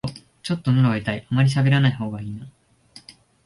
ちょっとのどが痛い、あまりしゃべらない方がいいな